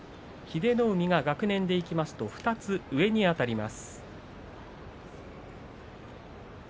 英乃海が学年でいいますと２つ上にあたります。